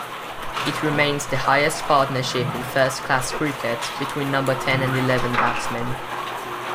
It remains the highest partnership in first-class cricket between number ten and eleven batsmen.